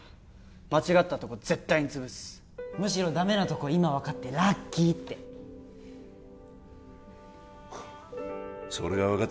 間違ったとこ絶対につぶすむしろダメなとこ今分かってラッキーってそれが分かっ